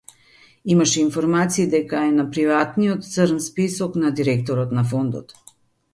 Имаше информации дека е на приватната црна список на директорот на фондот.